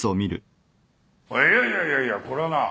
いやいやいやいやこれはな